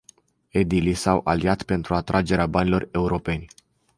Edilii s-au aliat pentru atragerea banilor europeni.